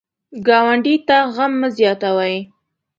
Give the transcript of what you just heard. ګاونډي ته غم مه زیاتوئ